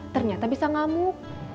ternyata bisa ngamuk